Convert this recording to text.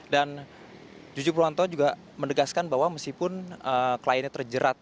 dan juju perwanto juga menegaskan bahwa meskipun kliennya terjerat